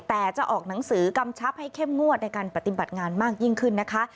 แต่จะออกหนังสือกำชับให้เข้มงวดในการปฏิบัติงานมากยิ่งขึ้นนะคะ